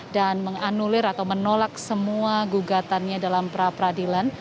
dan menganulir atau menolak semua gugatannya dalam prapradilan